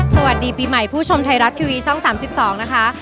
สวัสดีปีใหม่ผู้ชมไทยรัฐทีวีช่อง๓๒นะคะ